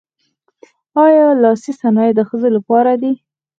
آیا لاسي صنایع د ښځو لپاره دي؟